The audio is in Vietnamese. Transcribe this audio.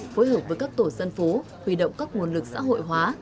phối hợp với các tổ dân phố huy động các nguồn lực xã hội hóa